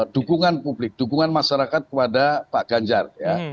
dukungan publik dukungan masyarakat kepada pak ganjar ya